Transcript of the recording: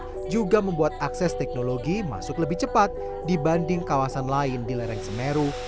ini juga membuat akses teknologi masuk lebih cepat dibanding kawasan lain di lereng semeru